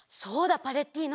パレッティーノ。